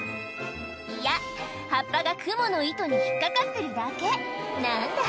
いや葉っぱがクモの糸に引っ掛かってるだけ何だ